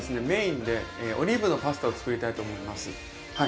メインでオリーブのパスタを作りたいと思います。